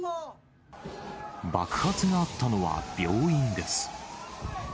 爆発があったのは病院です。